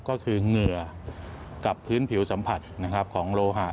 ก็คือเหงื่อกับพื้นผิวสัมผัสของโลหะ